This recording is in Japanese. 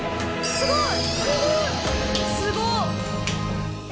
すごい。